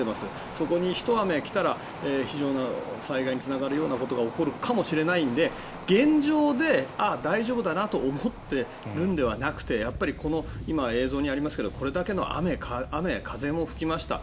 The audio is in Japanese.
そこにひと雨来たら災害につながることが起こるかもしれないので現状で、大丈夫だなと思っているのではなくてやっぱり今、映像にありますけどこれだけの雨、風も吹きました。